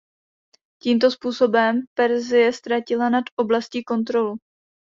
Tímto způsobem Persie ztratila nad oblastí kontrolu.